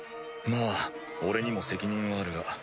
まぁ俺にも責任はあるが。